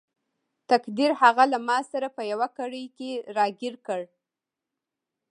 تقدیر هغه له ماسره په یوه کړۍ کې راګیر کړ.